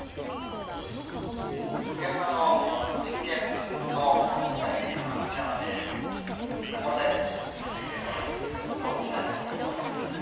現場の実験の具体的な打ち合わせ問題点を見つけていろいろ討議したいと思うわけなんですけども。